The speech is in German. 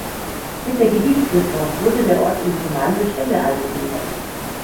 Mit der Gebietsreform wurde der Ort in die Gemeinde Stelle eingegliedert.